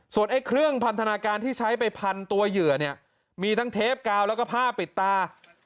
ส่วนไอ้เครื่องพันธนาการที่ใช้ไปพันตัวเหยื่อเนี่ยมีทั้งเทปกาวแล้วก็ผ้าปิดตา